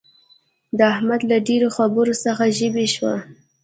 د احمد له ډېرو خبرو څخه ژبۍ شوه.